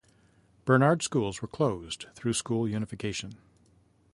Barnard schools were closed through school unification.